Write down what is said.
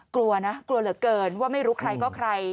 กลัวนะกลัวเหลือเกินว่าไม่รู้ใครก็ใคร